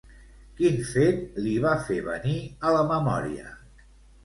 Quin fet li va fer venir a la memòria?